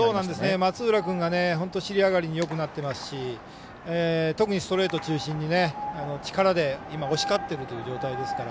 松浦君が尻上がりによくなっていますし特にストレート中心に力で今、押し勝っているという状態ですから。